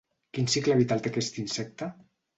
Quin cicle vital té aquest insecte?